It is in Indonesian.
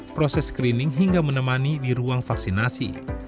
proses screening hingga menemani di ruang vaksinasi